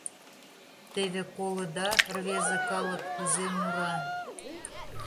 Теве колыда, рвезе калык кузе мура...